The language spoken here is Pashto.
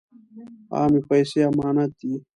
عامې پیسې امانت دي.